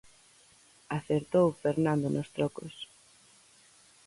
Acertou Fernando nos trocos.